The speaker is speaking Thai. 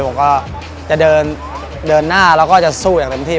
ผมก็จะเดินหน้าแล้วก็จะสู้อย่างเต็มที่